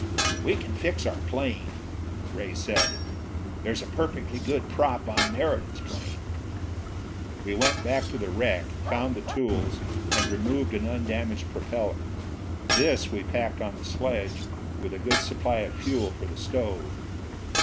"We can fix our plane!" Ray said. "There's a perfectly good prop on Meriden's plane!" We went back to the wreck, found the tools, and removed an undamaged propeller. This we packed on the sledge, with a good supply of fuel for the stove.